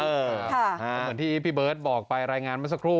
เป็นเหมือนพี่เบิร์ตบอกลายงานมาสักครู่